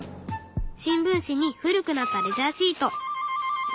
新聞紙に古くなったレジャーシート。